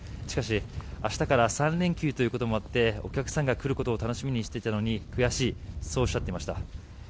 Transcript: しかし明日から３連休ということもあってお客さんが来ることを楽しみにしていたのに悔しいとおっしゃっていました。